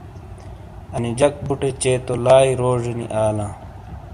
انی جک بُٹے چے تو لائی روجینی آلاں۔